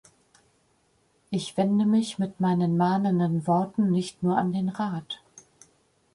Ich wende mich mit meinen mahnenden Worten nicht nur an den Rat.